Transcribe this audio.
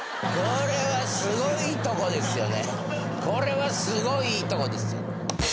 これはすごいとこですよ。